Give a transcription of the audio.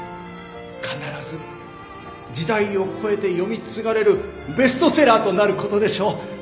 必ず時代を越えて読み継がれるベストセラーとなる事でしょう。